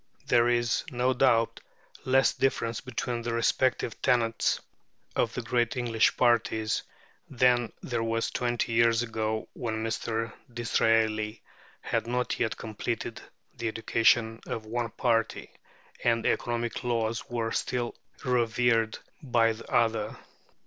There is, no doubt, less difference between the respective tenets of the great English parties than there was twenty years ago, when Mr. Disraeli had not yet completed the education of one party, and economic laws were still revered by the other.